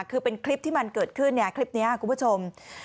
คือเป็นคลิปที่มันเกิดขึ้นเนี่ยคลิปนี้คุณผู้ชม